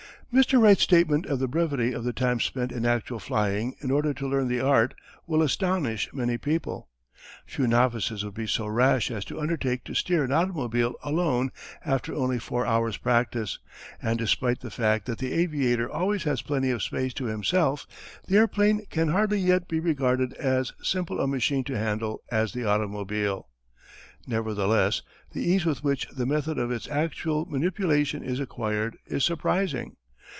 Mr. Wright's statement of the brevity of the time spent in actual flying in order to learn the art will astonish many people. Few novices would be so rash as to undertake to steer an automobile alone after only four hours' practice, and despite the fact that the aviator always has plenty of space to himself the airplane can hardly yet be regarded as simple a machine to handle as the automobile. Nevertheless the ease with which the method of its actual manipulation is acquired is surprising.